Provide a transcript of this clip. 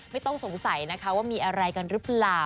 ไม่ต้องสงสัยนะคะว่ามีอะไรกันหรือเปล่า